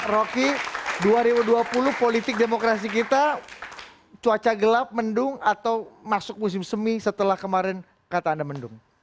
rocky dua ribu dua puluh politik demokrasi kita cuaca gelap mendung atau masuk musim semi setelah kemarin kata anda mendung